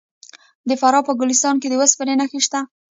د فراه په ګلستان کې د وسپنې نښې شته.